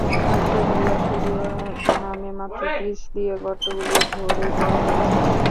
রাস্তায় ধুলা সরিয়ে নামে মাত্র পিচ দিয়ে গর্তগুলি ভরে দেওয়া হয়েছে।